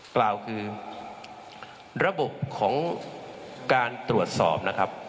กล่าวคือระบบของการตรวจสอบนะครับ